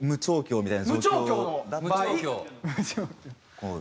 みたいな。